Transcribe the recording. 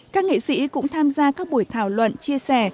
các nghệ sĩ cũng tham gia các buổi thảo luận chia sẻ